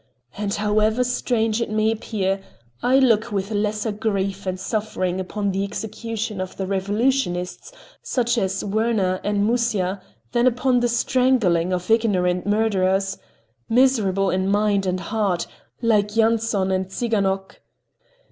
And however strange it may appear, I look with a lesser grief and suffering upon the execution of the revolutionists, such as Werner and Musya, than upon the strangling of ignorant murderers, miserable in mind and heart, like Yanson and Tsiganok.